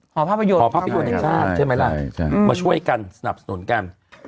หอภาพยนตร์ใช่ไหมล่ะมาช่วยกันสนับสนุนกันใช่